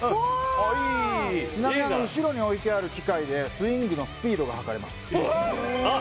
あっいいいいちなみに後ろに置いてある機械でスイングのスピードが測れますえっ！？